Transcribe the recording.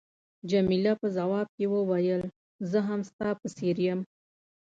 جميله په ځواب کې وویل، زه هم ستا په څېر یم.